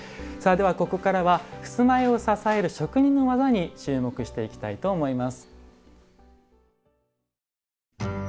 さあではここからは襖絵を支える職人の技に注目していきたいと思います。